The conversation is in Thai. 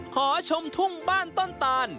หอชมทุ่งบ้านต้นตาน